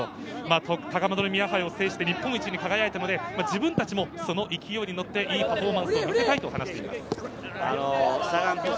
高円宮杯を制して日本一に輝いたので、自分たちもその勢いに乗って、いいパフォーマンスを見せたいと話しています。